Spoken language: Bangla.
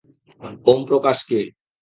ওম প্রকাশ কে?